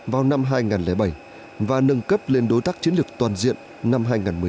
vào năm hai nghìn bảy và nâng cấp lên đối tác chiến lược toàn diện năm hai nghìn một mươi tám